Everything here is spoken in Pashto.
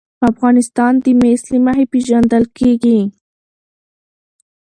افغانستان د مس له مخې پېژندل کېږي.